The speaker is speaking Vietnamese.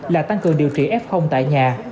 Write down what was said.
là tăng cường điều trị f tại nhà